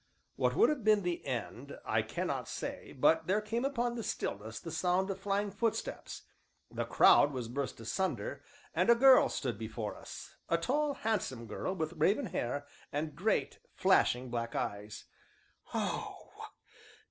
What would have been the end I cannot say, but there came upon the stillness the sound of flying footsteps, the crowd was burst asunder, and a girl stood before us, a tall, handsome girl with raven hair, and great, flashing black eyes. "Oh!